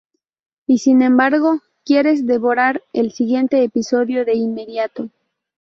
Y, sin embargo, quieres devorar el siguiente episodio de inmediato".